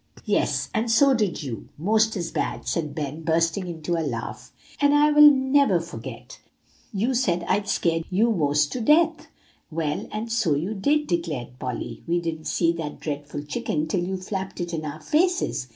] "Yes, and so did you, most as bad," said Ben, bursting into a laugh. "I never will forget; you said I'd scared you most to death." "Well, and so you did," declared Polly; "we didn't see that dreadful chicken till you flapped it in our faces.